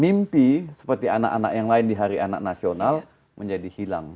mimpi seperti anak anak yang lain di hari anak nasional menjadi hilang